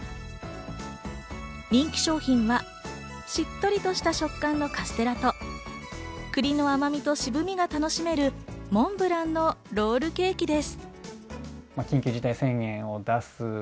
人気商品はしっとりした食感のカステラと栗の甘みと渋みが楽しめるモンブランのロールケーキです。